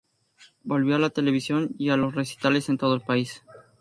Volvió a la televisión y a los recitales en todo el país.